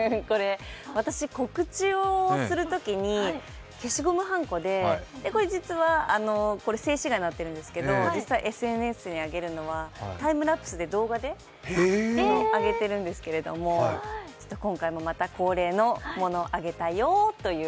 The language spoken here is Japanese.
私、告知をするときに消しゴムはんこで、これ実は、静止画になってるんですが、実際ＳＮＳに上げるのは、タイムラプスで動画で上げてるんですけれども今回もまた恒例のもの上げたよという。